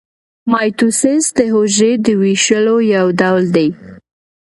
مایټوسیس د حجرې د ویشلو یو ډول دی